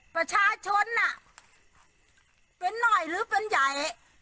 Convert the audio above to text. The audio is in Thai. ประชาชนน่ะเป็นหน่อยหรือเป็นใหญ่